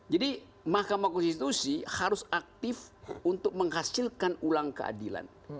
jadi mahkamah konstitusi harus aktif untuk menghasilkan ulang keadilan